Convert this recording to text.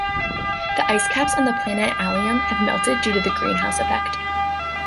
The ice caps on the planet Allium have melted due to the greenhouse effect.